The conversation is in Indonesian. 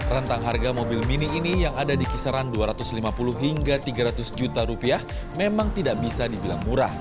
rentang harga mobil mini ini yang ada di kisaran dua ratus lima puluh hingga tiga ratus juta rupiah memang tidak bisa dibilang murah